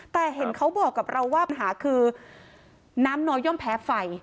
แต่เห็นเขาบอกกับเราว่าปัญหาคือน้ำน้อยย่อมแพ้ไฟ